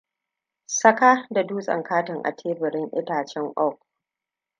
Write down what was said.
Saka da dutsen katin a teburin itacen oak.